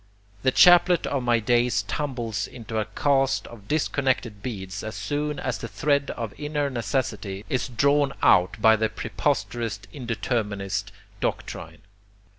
The chaplet of my days tumbles into a cast of disconnected beads as soon as the thread of inner necessity is drawn out by the preposterous indeterminist doctrine.